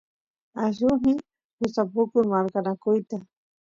allusniy gustapukun marqanakuyta